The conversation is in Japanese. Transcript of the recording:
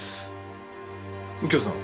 右京さん